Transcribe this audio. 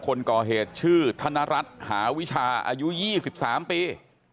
คนก่อเหตุชื่อธนรัฐหาวิชาอายุ๒๓ปี